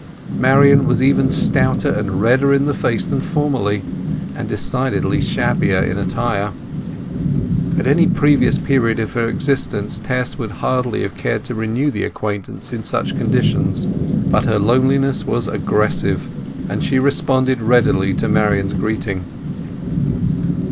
Marian was even stouter and redder in the face than formerly, and decidedly shabbier in attire. At any previous period of her existence Tess would hardly have cared to renew the acquaintance in such conditions; but her loneliness was excessive, and she responded readily to Marian's greeting.